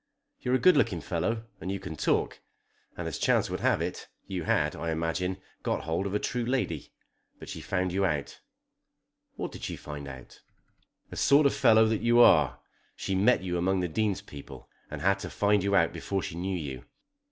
You're a good looking fellow and you can talk, and, as chance would have it, you had, I imagine, got hold of a true lady. But she found you out." "What did she find out?" "The sort of fellow that you are. She met you among the Dean's people, and had to find you out before she knew you.